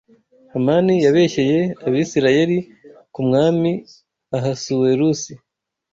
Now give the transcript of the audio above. Hamani yabeshyeye Abisirayeli ku mwami Ahasuwerusi